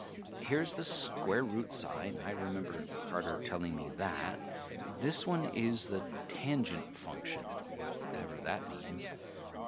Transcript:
Here's the square root sign, I remember Carter telling me that. This one is the Tangent Function, whatever that means.